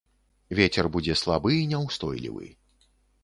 Вецер будзе слабы і няўстойлівы.